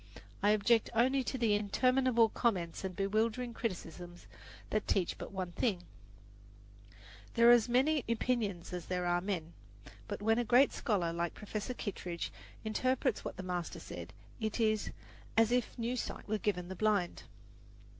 I object only to the interminable comments and bewildering criticisms that teach but one thing: there are as many opinions as there are men. But when a great scholar like Professor Kittredge interprets what the master said, it is "as if new sight were given the blind."